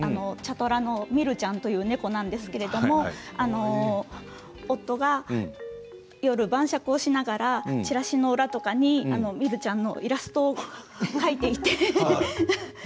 トラのミルちゃんという猫なんですけれども夫が夜、晩酌をしながらちらしの裏とかにミルちゃんのイラストを描いていて。